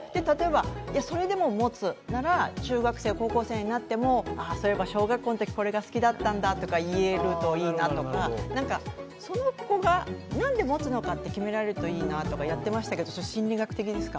それでも持つなら中学生、高校生になってもそういえば小学校のときこれが好きだったんだとか言えるといいとかその子がなんで持つのか決められるといいなってやってましたけどこれって心理学的ですか？